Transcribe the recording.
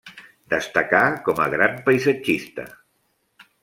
Destacà com a gran paisatgista.